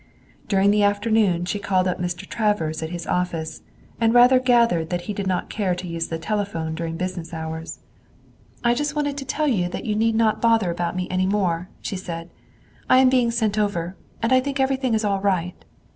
During the afternoon she called up Mr. Travers at his office, and rather gathered that he did not care to use the telephone during business hours. "I just wanted to tell you that you need not bother about me any more," she said. "I am being sent over and I think everything is all right."